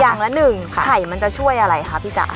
ยังละ๑ไข่มันจะช่วยอะไรคะพี่จ๋า